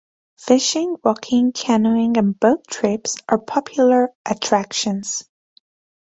Fishing, walking, canoeing and boat trips are popular attractions.